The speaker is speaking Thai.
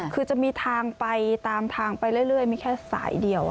คือจะมีทางไปตามทางไปเรื่อยมีแค่สายเดียว